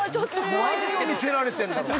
何を見せられてんだろう？